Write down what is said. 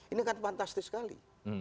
ini kan fantastis sekali